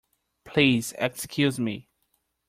Please excuse me.